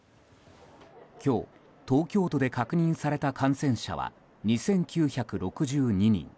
今日、東京都で確認された感染者は２９６２人。